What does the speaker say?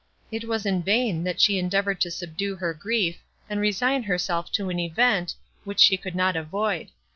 It was in vain, that she endeavoured to subdue her grief, and resign herself to an event, which she could not avoid.